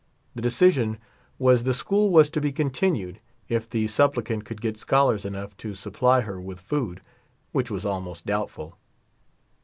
The decision was the school was to be continued, if the sup plicant could get scholars enough to supply her with food, which was almost doubtful.